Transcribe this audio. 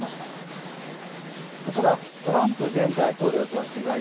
ただトランプ前大統領とは違い